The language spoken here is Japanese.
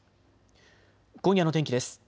今夜の天気です。